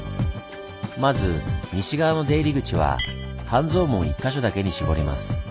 まず西側の出入り口は半蔵門１か所だけに絞ります。